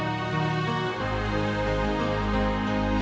ibu mau berubah